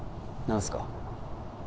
何すか？